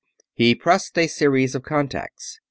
He pressed a series of contacts.